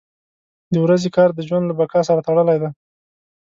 • د ورځې کار د ژوند له بقا سره تړلی دی.